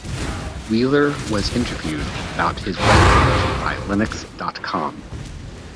Wheeler was interviewed about his webpage by Linux dot com.